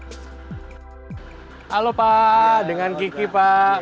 halo pak dengan kiki pak